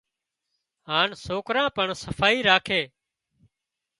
هانَ سوڪران پڻ صفائي راکي